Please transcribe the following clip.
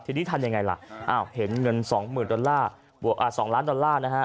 ทีนี้ทันยังไงล่ะเห็นเงิน๒ล้านดอลลาร์นะฮะ